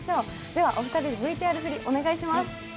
ではお二人でＶＴＲ振りをお願いします。